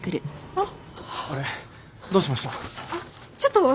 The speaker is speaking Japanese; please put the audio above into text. あっ。